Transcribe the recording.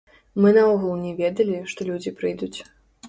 Мы наогул не ведалі, што людзі прыйдуць.